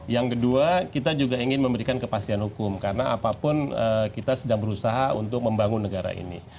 yang kedua kita juga ingin memberikan kepastian hukum karena apapun kita sedang berusaha untuk membangun negara ini